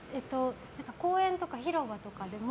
公園とか広場とかでも。